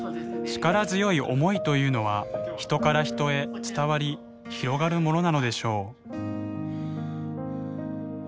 力強い思いというのは人から人へ伝わり広がるものなのでしょう。